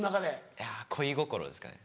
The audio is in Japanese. いや『恋心』ですかね。